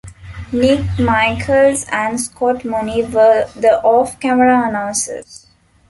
Nick Michaels and Scott Muni were the off-camera announcers.